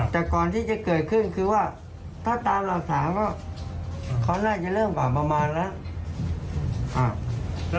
แต่ก่อนที่จะเกิดขึ้นคือว่าถ้าตามหลักฐานก็เขาน่าจะเริ่มป่าประมาณแล้ว